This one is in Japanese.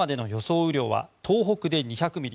雨量は東北で２００ミリ